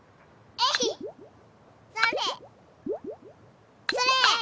えい！